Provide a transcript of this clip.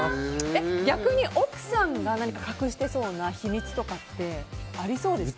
逆に、奥さんが隠してそうな秘密とかってありそうですか？